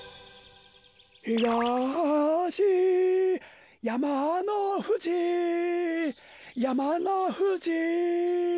ひがしやまのふじやまのふじ。